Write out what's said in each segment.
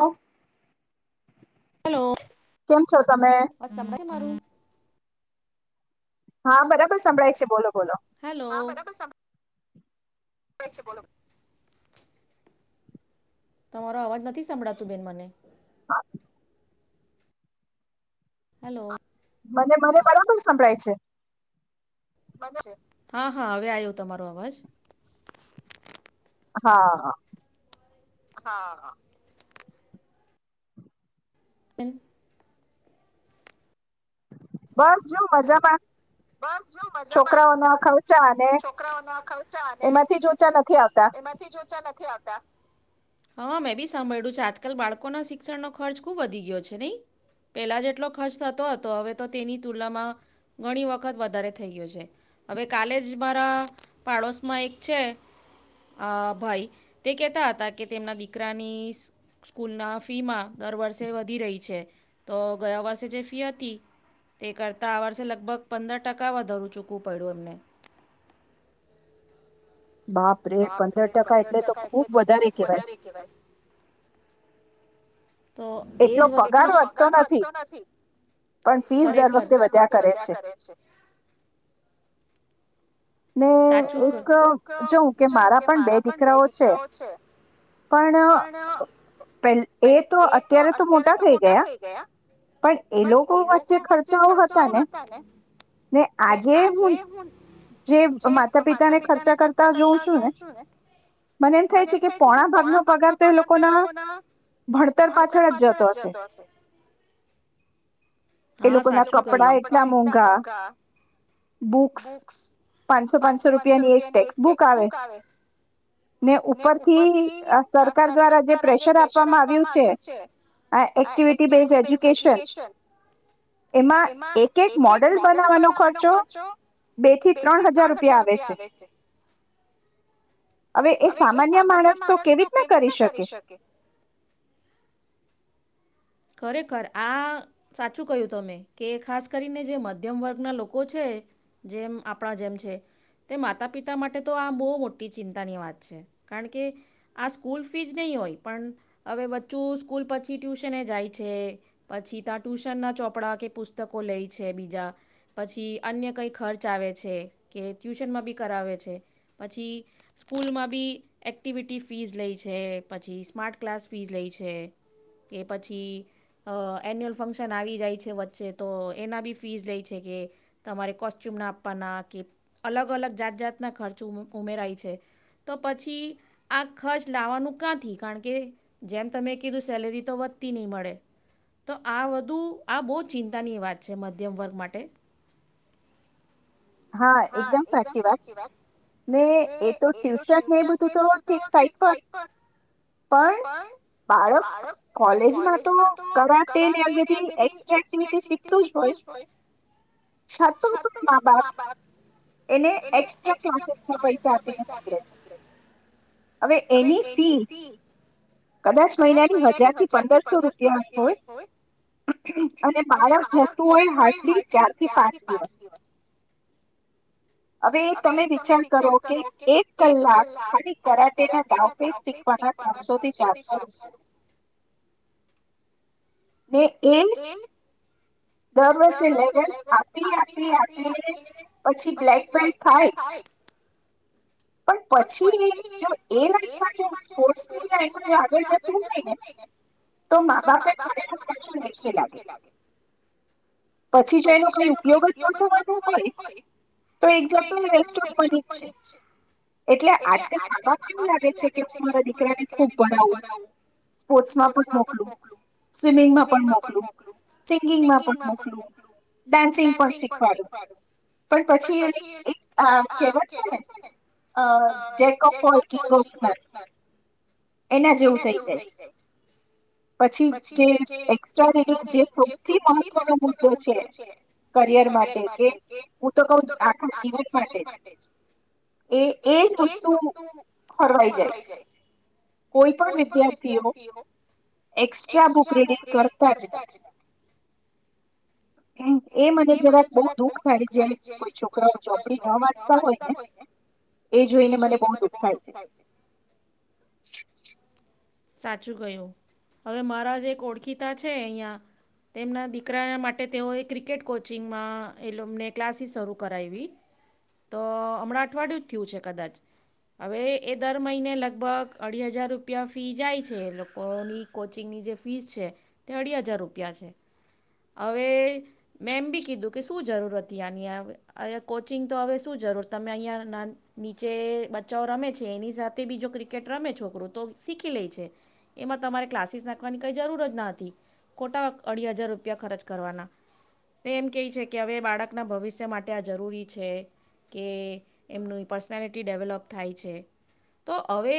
હ. હલો. કેમ છો તમે? મારું હા બરાબર સંભળાય છે બોલો. હેલો. સંભળાય છે બોલો. તમારો અવાજ નથી સંભળાતું બેન મને. હા. હલો. મને મને બરાબર સંભળાય છે. હા હા હવે આવ્યો તમારો અવાજ. હા. હા. હમ. બસ જો મજામાં. બસ જો મજામાં. છોકરાઓ ના ખર્ચા અને એમાંથી જ ઊંચા નથી આવતા. હા મેં બી સાભળ્યું છે આજકાલ બાળકો ના શિક્ષણ ન ખર્ચ ખુબ વધી ગયો છે નહી પેલા જેટલો ખર્ચ થતો હતો હવે તો તેની તુલનામાં ઘણી વખત વખત વધારે થઈ ગયો છે હવે કાલે જ મારા પાડોશમાં એક છે ભાઈ તે કહેતા હતા કે તેમના દીકરાની સ્કૂલના ફીમાં દર વર્ષે વધી રહી છે. તો ગયા વર્ષે જે ફી હતી તે કરતાં આ વર્ષે લગભગ પંદર ટકા વધારું ચૂકવું પડ્યું એમને. બાપરે પંદર ટકા એટલે તો ખુબ વધારે કેવાય. તો એ જ વસ્તુ જ. એટલો પગાર વધતો નથી. ખરેખર. ફીઝ દર વખતે વધ્યા કરે છે. ને એક જોઉં કે મારા પણ બે દીકરાઓ છે પણ પે એ તો અત્યારે તો મોટા થઈ ગયા પણ એ લોકો વચ્ચે ખર્ચાઓ હતા ને ને આજે હું જે માતા પિતાને ખર્ચા કરતા જોઉં છું ને મને એમ થાય છે કે પોણા ભાગ ન પગાર તો એ લોકો ના ભણતર પાછળ જ જતો હશે. હા સાચું કહ્યું, એ લોકોના કપડા એટલા મોઘા, બુક્સ પાંચસો પાંચસો રૂપિયાની એક ટેક્સ્ટ બુક આવે ને ઉપરથી સરકાર દ્વારા જે પ્રેશર આપવામાં આવ્યું છે આ એક્ટિવિટી બેઝ એજ્યુકેશન એમાં એક એક મોડેલ બનાવવાનો ખર્ચો બે થી ત્રણ ત્રણ હજાર રૂપિયા આવે છે હવે એ સામાન્ય માણસ તો કેવી રીતના કરી શકે. ખરેખર આ સાચું કહ્યું તમે કે ખાસ કરીને જે મધ્યમ વર્ગના લોકો છે જેમ આપણા જેમ છે તે માતા પિતા માટે તો આ બહુ મોટી ચિંતાની વાત છે કારણ કે આ સ્કૂલ ફીજ નહીં હોય પણ હવે બચ્ચું સ્કૂલ પછી ટુશન એ જાય છે પછી ત્યાં ટ્યુશનના ચોપડા કે પુસ્તકો લે છે બીજા પછી અન્ય કંઈ ખર્ચ આવે છે કે ટ્યુશનમાં બી કરાવે છે પછી સ્કૂલમાં બી એક્ટિવિટી ફીસ લે છે પછી સ્માર્ટ ક્લાસ ફીસ લે છે કે પછી એન્યુઅલ ફંક્શન આવી જાય છે વચ્ચે તો એના બી ફીઝ લે છે કે તમારે કોશચ્યુમના આપવાના કે અલગ અલગ જાત જાતના ખર્ચ ઉમેરાય છે તો પછી આ ખર્ચ લાવવાનું કાંથી કારણ કે જેમ તમે કીધું સેલેરી તો વધ નહી મળે તો આ બવ આ બહુ ચિંતાની વાત છે મધ્યમ વર્ગ માટે. હા એકદમ સાચી વાત ને એ તો ટ્યુશન ને બધું તો ઠીક સાઈટ પર પણ બાળક કોલેજમાં તો કરા તે ને આવી બધી એકસ્ટ્રા એક્ટિવિટી શીખતું જ હોય છતો પણ મા બાપ એને એકક્સ્ટ્રા ક્લાસીસ ના પૈસા આપીને મોકલે છે હવે એની ફી કદાચ મહિનાની હજાર થી પંદરસો રૂપિયા હોય અને બાળક જતું હોય હારડલી ચાર થી પાંચ દિવસ હવે એ તમે વિચાર કરો કે એક કલાક ખાલી કરાટેના દાવપેજ શીખવાના ત્રણસો થી ચારસો રૂપિયા ને એન દર વર્ષે લેવલ આપી આપી આપીને પછી બ્લેક પેન્ટ થાય પણ પછી જો એ લાઈમાં જો સ્પોર્ટની લાઈનમાં જો આગળ જતું હોય ને તો મા-બાપે કરેલું ખર્ચું લેખે લાગે. પછી જો એનો કઈ ઉપયોગ જ ન થવાનો હોય તો એક જાત તો એ વેસ્ટ ઓફ મની જ છે એટલે આજકાલ માં- બાપને એવું લાગે છે કે હું મારા દીકરાને ખુબ ભણાવું સ્પોર્ટસમાં પણ મોકલું સ્વિમિંગમાં પણ મોકલું સિંગિંગમાં પણ મોકલું. ડાન્સિંગ પણ શીખવાડું પણ પછી એક કહેવત છે ને jack of all king of null. એના જેવું થઈ જાય છે પછી જે એક્સટ્રા રીડિંગ જે સૌથી મહત્વનો વનો મુદ્દો છે કરિયર માટે કે હું તો કઉ આખો જીવન માટે જ એ એજ વસ્તુ ખોરવાઈ જાય છે. કોઈ પણ વિદ્યાર્થીઓ એક્સ્ટ્રા બુક રીડિંગ કરતા જ નથી. એ મને જરાક બવ દુઃખ થાય છે. કોઈ છોકરાઓ ચોપડી ના વાંચતા હોય ને એ જોઈને મને બવ દુઃખ થાય છે. સાચું કહ્યું હવે મારા જ એક ઓળખીતા છે અહીંયા તેમના દીકરાના માટે તેઓ એ ક્રિકેટ કોચિંગમાં એ અમને ક્લાસીસ શરૂ કરાવી તો હમણાં અઠવાડિયું જ થયું છે કદાચ હવે એ દર મહિને લગભગ અઢી હજાર રૂપિયા ફી જાય છે એ લોકોની કોચિંગની જે ફીસ છે તે અઢી હજાર રૂપિયા છે હવે મેં એમ બી કીધું કે શું જરૂર હતી આની અરે કોચિંગ તો હવે શું જરૂર તમે અહીંયા નીચે બચ્ચાઓ રમે છે એની સાથે બી જો ક્રિકેટ રમે છોકરું તો શીખી લે છે એમાં તમારે ક્લાસીસ નાખવાની કંઈ જરૂર જ ન હતી ખોટા અઢી હજાર રૂપિયા ખર્ચ કરવાના. એમ કે છે કે હવે બાળકના ભવિષ્ય માટે આ જરૂરી છે કે એમનું પર્સનાલિટી ડેવલપ થાય છે તો હવે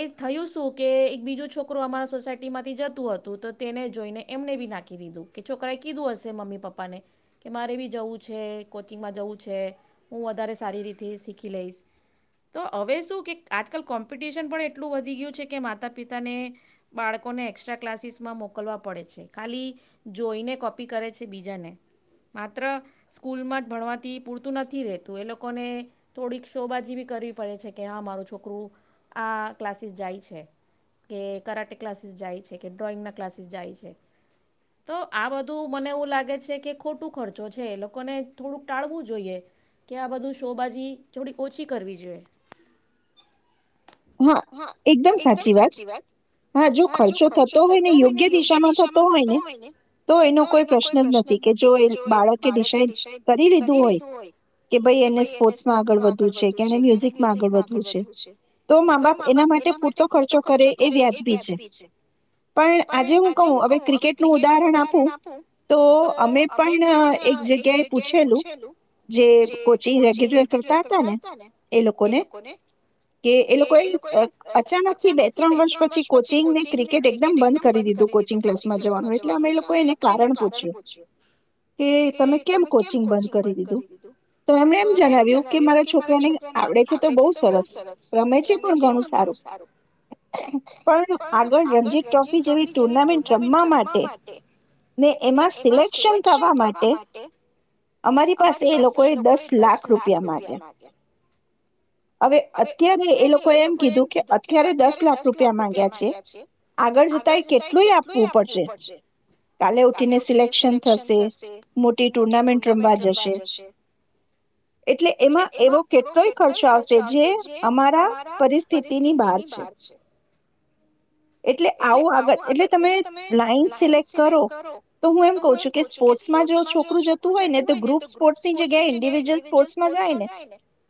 એ થયું શું કે એક બીજું છોકરું અમારા સોસાયટી માંથી જતું હતું તો તેને જોઈને એમને બી નાખી દીધું કે છોકરાએ કીધું હશે મમ્મી ને પપ્પાને કે મારે બી જવું છે કોચિંગમાં જવું છે હું વધારે સારી રીતે શીખી લઈશ તો હવે શું કે આજકાલ કોમ્પિટિશન પણ એટલું વધી ગયું છે કે માતા પિતાને બાળકોને એક્સ્ટ્રા ક્લાસીસમાં મોકલવા પડે છે ખાલી જોઈને કોપી કરે છે. બીજા ને માત્ર સ્કૂલમાં જ ભણવાથી પૂરતું નથી રહેતું એ લોકોને થોડીક શોબાજી બી કરવી પડે છે કે હા મારું છોકરું આ ક્લાસીસ જાય છે કે કરાટે ક્લાસીસ જાય છે કે ડ્રોઈંગના ક્લાસીસ જાય છે તો આ બધું મને એવું લાગે છે કે ખોટું ખર્ચો છે એ લોકોને થોડુંક ટાળવું જોઈએ કે આ બધું શોબાજી થોડી ઓછી કરવી જોઈએ. હા એકદમ સાચી વાત હા જો ખર્ચો થતો હોય ને યોગ્ય દિશામાં થતો હોય ને તો એનો કોઈ પ્રશ્ન પ્રશ્ન જ નથી કે જો એ બાળકે ડિસાઇડ કરી લીધું હોય કે ભાઈ એને સ્પોર્ટ્સમાં આગળ વધવું છે, કે એને મ્યુઝિકમાં આગળ વધવું છે તો મા બાપ એના માટે પૂરતો ખર્ચો કરે એ વ્યાજબી છે. પણ આજે હું કહું હવે ક્રિકેટનું ઉદાહરણ આપું તો અમે પણ અહ એક જગ્યાએ પૂછેલું, જે કોચિંગ રેગ્યુલર કરતા હતા ને એ લોકોને કે એ લોકોએ ઈસ અચાનક થી બે ત્રણ વર્ષ પછી કોચિંગને ક્રિકેટ એકદમ બંધ કરી દીધું કોચિંગ ક્લાસમાં જવાનું, એટલે અમે એ લોકો એને કારણ કારણ પૂછ્યું કે તમે કેમ કોચિંગ બંધ કરી દીધું? તો અમે એમ જણાવ્યું કે મારા છોકરાને આવડે છે તો બહુ સરસ રમે છે પણ ઘણું સારું, પણ આગળ રણજીત ટ્રોફી જેવી ટુર્નામેન્ટ રમવા માટે ને ને એમાં સિલેક્શન થવા માટે અમારી પાસે એ લોકો એ દસ લાખ રૂપિયા માંગ્યા. હવે અત્યારે એ લોકોએ એમ કીધું કે અત્યારે દસ લાખ રૂપિયા માંગ્યા છે, આગળ જતા એય કેટલુંય આપવું પડશે. કાલે ઉ ઠીને સિલેક્શન થશે મોટી, ટુર્નામેન્ટ રમવા જશે, એટલે એમાં એવો કેટલોય ખર્ચો આવશ કે જે અમારા પરિસ્થિતિની બહાર છે, એટલે આવું આગળ એટલે તમે લાઈન સિલેક્ટ કરો. તો હું એમ કઉં છું કે સ્પોર્ટ્સમાં જો છોકરું જતું હોય ને તો ગ્રુપ સ્પોર્ટ્સની જગ્યાએ ઇન્ડિવિજ્યુઅલ સ્પોર્ટ્માં જાય ને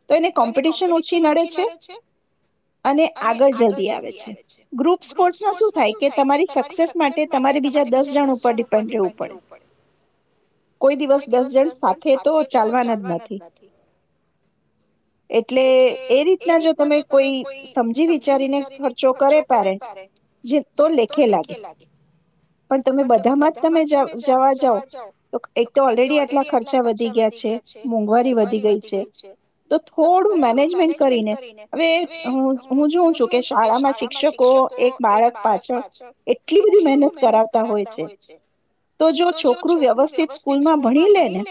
તો એને કોમ કોમ્પિટેશન ઓછી નડે છે, અને આગળ જલ્દી આવે છે. ગ્રુપ સ્પોર્ટ્સમાં શું થાય કે તમારી સક્સેસ માટે તમારે બીજા દસ જણ ઉપર ડિપેન્ડ રહેવું પડે. કોઈ દિવસ દસ જણ સાથે તો ચાલવાના જ નથી. એટલે એ રીતના જો તમે કોઈ સમજી વિચારીને ખર્ચો કરે પેરેન્ટ, જે તો લેખે લાગે. પણ તમે બધામાં જ તમે જ જ જવા જાવ, તો એક તો ઓલરેડી આટલા ખર્ચા વધી ગયા છે, મોંઘવારી વધી ગઈ છે તો થોડું મેનેજમેન્ટ કરીને, હવે હું હું જોઉં છું કે શાળામાં શિક્ષકો એક બાળક પાછળ એટલી બધી મહેનત કરાવતા હોય છે તો જો છોકરું વ્યવસ્થિત સ્કૂલમાં ભણી લે ને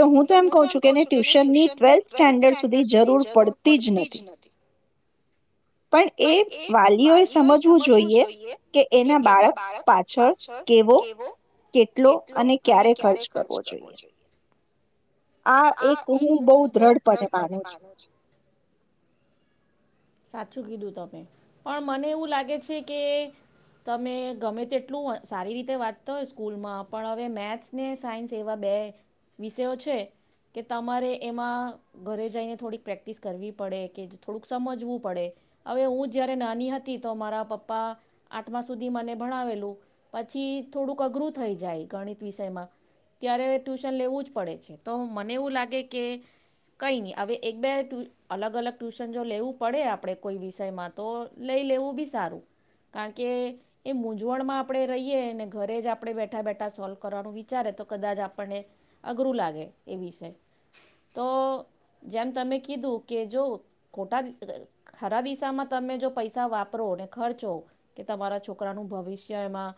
તો હું તો એમ કહું છું કે એને ટ્યુશનની ટ્વેલ્થ સ્ટેન્ડર્ડ સુધી જરૂર પડતી જ નથી. પણ એ વાલીઓએ સમજવું જોઈએ કે એના બાળક પાછળ કેવો કેટલો અને ક્યારે ખર્ચ કરવો જોઈએ. આ એક હું બહુ દ્રઢપદે માનું છું. સાચું કીધું તમે. પણ મને એવું લાગે છે કે, તમે ગમે તેટલું સારી રીતે વાંચતા હોય સ્કૂલમાં, પણ હવે મેથ્સ ને સાયન્સ એવા બે વિષયો છે કે તમારે એમાં ઘરે જઈને થોડીક પ્રેક્ટિસ કરવી પડે, કે થોડુંક સમજ જવું પડે. હવે હું જયારે નાની હતી, તો મારા પપ્પા આઠમા સુધી મને ભણાવેલું, પછી થોડુંક અઘરું થઈ જાય ગણિત વિષયમાં, ત્યારે ટ્યુશન લેવું જ પડે છે. તો મને એવું લાગે કે કંઈ નહીં હવે એક-બે અલગ-અલગ ટ્યુશન જો લેવું. પડે આપણે કોઈ વિષયમાં, તો લઈ લેવું બી સારું. કારણ કે, એ મૂંઝવણમાં આપણે રહીએ અને ઘરે જ આપણે બેઠા બેઠા સોલ્વ કરવાનું વિચારે તો, કદાચ આપણને અઘરું લાગે એ વિષય. તો જેમ તમે કીધું કે, જો ખોટા ખરા દિશામાં તમે જો પૈસા વાપરો અને ખર્ચો, કે તમારા છોકરાનું ભવિષ્ય અહ એમાં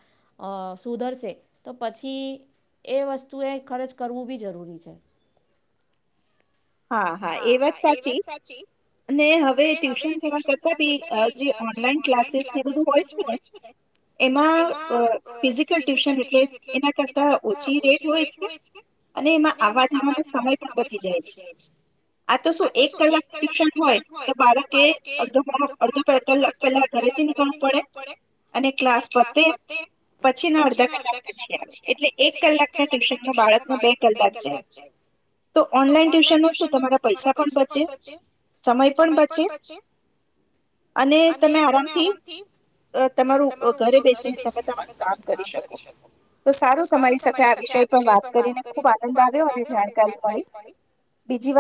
સુધરશે. તો પછી એ વસ્તુ એ ખર્ચ કરવું બી જરૂરી છે. હા હા, એ વાત સાચી. અને હવે ટ્યુશન જવા કરતા બી, અહ જે ઓનલાઈન ક્લાસીસ ને બધું હોય છે ને એમાં અહ ફિઝિકલ ટ્યુશન એટલે એના કરતા ઓછી રેટ હોય છે. અને એમાં આવવા જવાનો સમય પણ બચી જાય છે. આ તો શું એક કલાક ટ્યુશન હોય, તો બાળકે અડધો પોરો અડધો પે કલાક પહેલા ઘરેથી નીકળવું પડે, અને ક્લાસ પતે પછી ના અડધા કલાક પછી આવે, એટલે એક કલાક ના ટ્યુશનમાં બાળક ના બે કલાક જાય. તો ઓનલાઈન ટ્યુશન નો તો તમારા તમારા પૈસા પણ બચે, સમય પણ બચે અને તમે આરામથી અહ તમારું ઘરે બેસી તમે તમારું કામ કરી શકો. તો સારું તમારી સાથે આ વિષય પણ વાત કરીને ખુબ આનંદ આવ્યો અને જાણકારી મળી.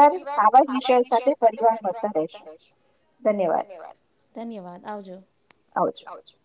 બીજી વાર આવા વિષય સાથે ફરીવાર મળતા રહેશું. ધન્યવાદ. ધન્યવાદ આવજો, આવજો.